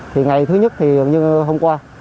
thì ngày thứ nhất thì như hôm qua